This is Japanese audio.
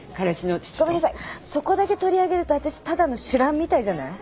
そこだけ取り上げると私ただの酒乱みたいじゃない？